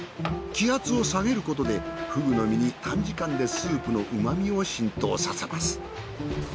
気圧を下げることでふぐの身に短時間でスープの旨味を浸透させます。